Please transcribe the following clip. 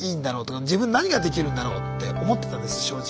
自分何ができるんだろうって思ってたんです正直。